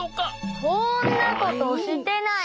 そんなことしてない！